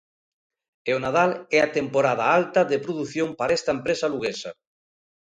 E o Nadal é a temporada alta de produción para esta empresa luguesa.